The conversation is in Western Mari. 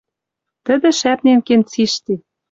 Тӹдӹ шӓпнен кен цишти.